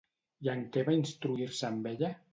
I en què va instruir-se amb ella?